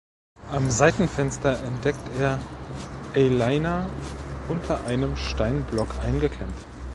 Am Seitenfenster entdeckt er Elaina unter einem Steinblock eingeklemmt.